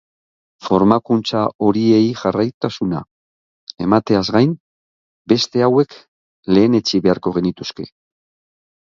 Formakuntza horiei jarraitutasuna emateaz gain, beste hauek lehenetsi beharko genituzke.